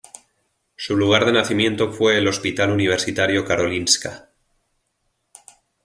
Su lugar de nacimiento fue el Hospital universitario Karolinska.